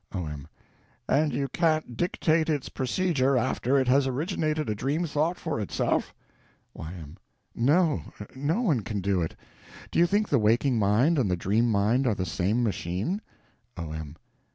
O.M. And you can't dictate its procedure after it has originated a dream thought for itself? Y.M. No. No one can do it. Do you think the waking mind and the dream mind are the same machine? O.M.